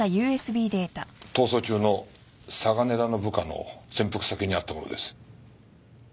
逃走中の嵯峨根田の部下の潜伏先にあったものです。